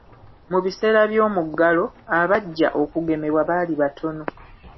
Mu biseera by'omuggalo, abajja okugemebwa baali batono.